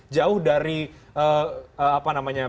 jauh dari apa namanya